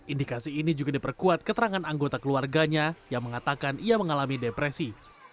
indikasi ini juga diperkuat keterangan anggota keluarganya yang mengatakan ia mengalami depresi